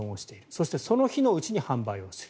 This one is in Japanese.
そしてその日のうちに販売する。